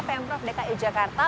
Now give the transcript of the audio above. pemprov dki jakarta